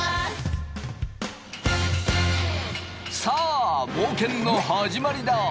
さあ冒険の始まりだ！